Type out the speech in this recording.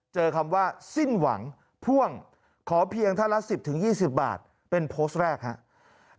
คำว่าสิ้นหวังพ่วงขอเพียงท่านละ๑๐๒๐บาทเป็นโพสต์แรกครับ